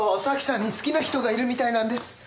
咲さんに好きな人がいるみたいなんです。